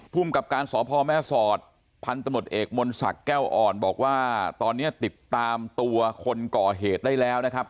ภูมิกับการสพแม่สอดพันธมตเอกมนศักดิ์แก้วอ่อนบอกว่าตอนนี้ติดตามตัวคนก่อเหตุได้แล้วนะครับ